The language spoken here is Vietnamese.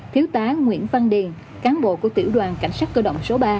thiếu tá nguyễn văn điền cán bộ của tiểu đoàn cảnh sát cơ động số ba